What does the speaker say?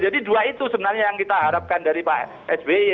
jadi dua itu sebenarnya yang kita harapkan dari pak sby